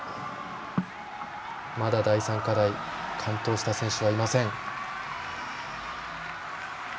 まだ第３課題完登した選手はいません。